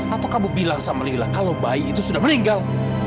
atau kamu bilang sama lila kalau bayi itu sudah meninggal